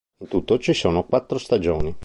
In tutto ci sono quattro stagioni.